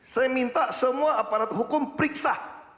saya minta semua aparat hukum periksa